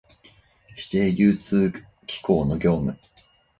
指定流通機構の業務